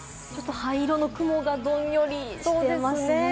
灰色の雲がどんよりしていますよね。